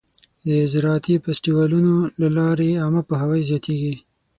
د زراعتي فستیوالونو له لارې عامه پوهاوی زیاتېږي.